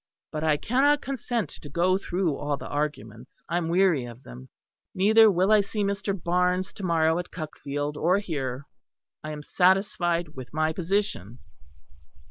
But I cannot consent to go through all the arguments; I am weary of them. Neither will I see Mr. Barnes to morrow at Cuckfield or here. I am satisfied with my position."